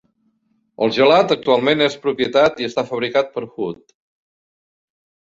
El gelat actualment és propietat i està fabricat per Hood.